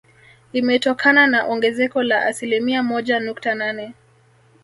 Imetokana na ongezeko la asilimia moja nukta nane